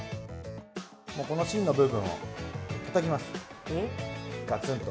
この芯の部分をたたきます、ガツンと。